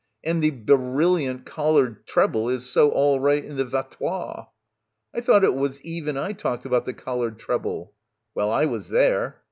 "And the be rilliant Collard treble is so all right in the vatoire." "I thought it was Eve and I talked about the Collard treble." 'Well, I was there."